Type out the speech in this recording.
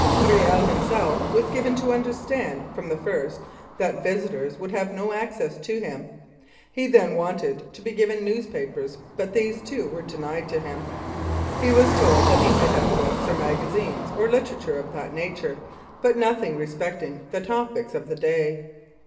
Riel himself was given to understand from the first that visitors would have no access to him. He then wanted to be given newspapers, but these, too, were denied to him. He was told that he might have books or magazines or literature of that nature, but nothing respecting the topics of the day.